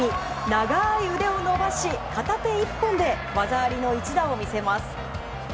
長い腕を伸ばし、片手１本で技ありの一打を見せます。